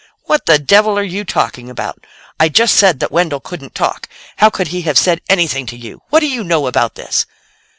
"What the devil are you talking about? I just said that Wendell couldn't talk. How could he have said anything to you? What do you know about this?"